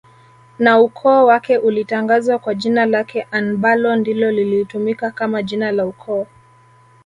na ukoo wake ulitangazwa kwa jina lake anbalo ndilo lilitumika kama jina la ukoo